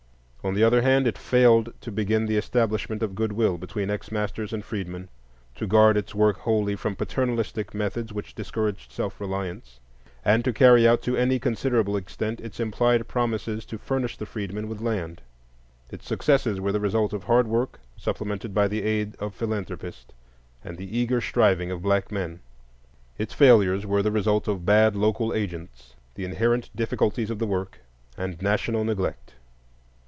On the other hand, it failed to begin the establishment of good will between ex masters and freedmen, to guard its work wholly from paternalistic methods which discouraged self reliance, and to carry out to any considerable extent its implied promises to furnish the freedmen with land. Its successes were the result of hard work, supplemented by the aid of philanthropists and the eager striving of black men. Its failures were the result of bad local agents, the inherent difficulties of the work, and national neglect.